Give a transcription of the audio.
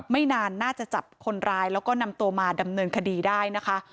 ไม่นานน่าจะจับคนร้ายแล้วก็นำตัวมาดำเนินคดีได้นะคะ